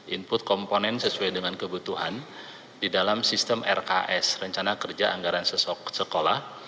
input komponen sesuai dengan kebutuhan di dalam sistem rks rencana kerja anggaran sekolah